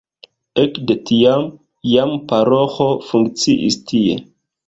Ekde tiam jam paroĥo funkciis tie.